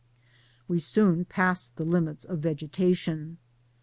We soon passed the hmits of vegetation.